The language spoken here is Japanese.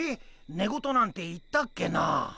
寝言なんて言ったっけなあ。